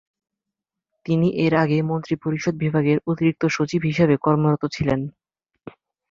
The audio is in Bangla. তিনি এর আগে মন্ত্রিপরিষদ বিভাগের অতিরিক্ত সচিব হিসেবে কর্মরত ছিলেন।